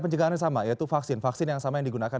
pencegahannya sama yaitu vaksin vaksin yang sama yang digunakan